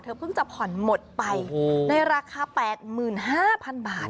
เธอเพิ่งจะผ่อนหมดไปโอ้โหในราคาแปดหมื่นห้าพันบาท